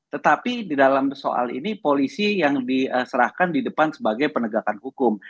tetapi di dalam soal ini polisi yang diserahkan di depan sebagai penegakan hukum